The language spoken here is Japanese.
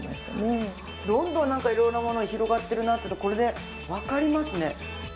どんどんなんか色々なものが広がってるなっていうのこれでわかりますね。